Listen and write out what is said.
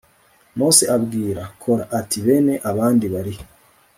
mose abwira kora ati bene abandi barihe